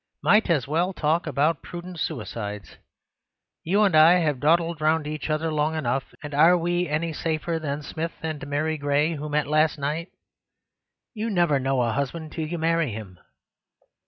Might as well talk about prudent suicides. You and I have dawdled round each other long enough, and are we any safer than Smith and Mary Gray, who met last night? You never know a husband till you marry him.